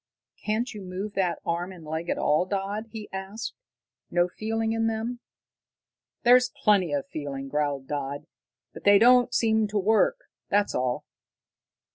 "Can't you move that arm and leg at all, Dodd?" he asked. "No feeling in them?" "There's plenty of feeling," growled Dodd, "but they don't seem to work, that's all."